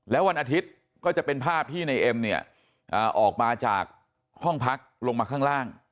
แล้ววันอาทิตย์ก็จะเป็นภาพที่ในเอ็มเนี่ยออกมาจากห้องพักลงมาข้างล่าง